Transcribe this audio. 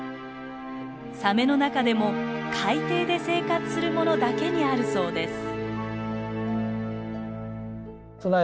サメの中でも海底で生活するものだけにあるそうです。